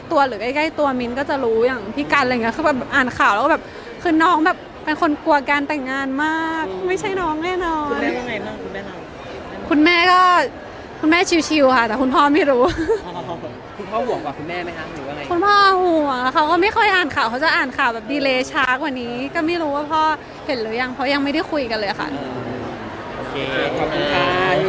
น่าน่าน่าน่าน่าน่าน่าน่าน่าน่าน่าน่าน่าน่าน่าน่าน่าน่าน่าน่าน่าน่าน่าน่าน่าน่าน่าน่าน่าน่าน่าน่าน่าน่าน่าน่าน่า